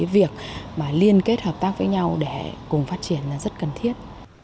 việc liên kết hợp tác với nhau để cùng phát triển rất cần thiết